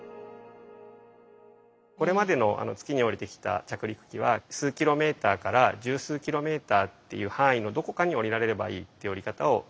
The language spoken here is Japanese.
これまでの月に降りてきた着陸機は数キロメーター１０数キロメーターっていう範囲のどこかに降りられればいいっていう降り方をしてきていました。